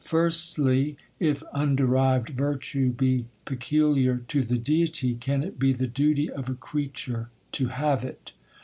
'Firstly,—if underived virtue be peculiar to the Deity, can it be the duty of a creature to have it?